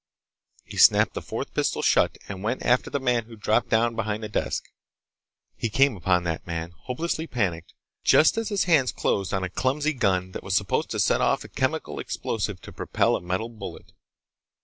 He snapped the fourth pistol shut and went after the man who'd dropped down behind a desk. He came upon that man, hopelessly panicked, just as his hands closed on a clumsy gun that was supposed to set off a chemical explosive to propel a metal bullet.